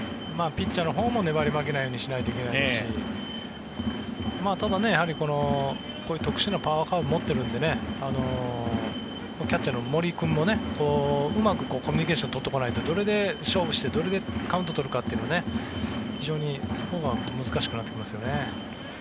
ピッチャーのほうも粘り負けないようにしないといけないですしただ、特殊なパワーカーブを持っているのでキャッチャーの森君もうまくコミュニケーションを取っていかないとどれで勝負してどれでカウント取るかって非常にそこが難しくなってきますよね。